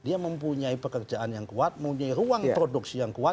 dia mempunyai pekerjaan yang kuat mempunyai ruang produksi yang kuat